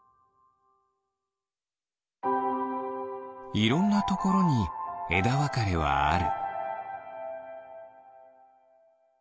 いろんなところにえだわかれはある。